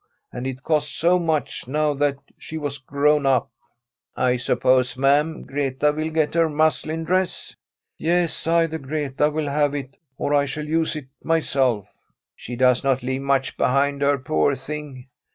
And it cost so much, now that she was grown up.' m SWEDISH HOMESTEAD ' I suppose, ma'am, Greta will get her muslin dress?' * Yes ; either Greta will have it, or I shall use it mjTselL' * She does not leave much behind her, poor thing!'